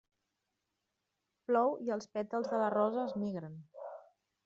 Plou i els pètals de la rosa es migren.